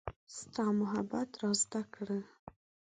ستا محبت را زده کړه